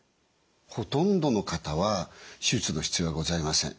ほとんどの方は手術の必要はございません。